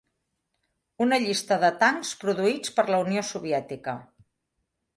Una llista de tancs produïts per la Unió Soviètica.